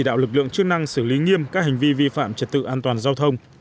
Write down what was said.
đạo lực lượng chức năng xử lý nghiêm các hành vi vi phạm trật tự an toàn giao thông